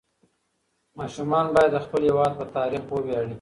ماشومان باید د خپل هېواد په تاریخ وویاړي.